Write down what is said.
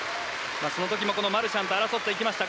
その時も、マルシャンと争っていきました。